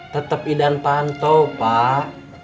tetep idam pantau pak